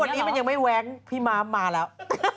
วันนี้มันยังไม่แว้งพี่ม้ามมาแล้ว